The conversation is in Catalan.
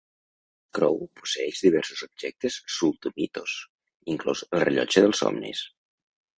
Crow posseeix diversos objectes Cthulhu Mythos, inclòs el Rellotge dels somnis.